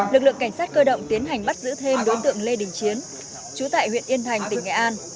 lực lượng cảnh sát cơ động tiến hành bắt giữ thêm đối tượng lê đình chiến chú tại huyện yên thành tỉnh nghệ an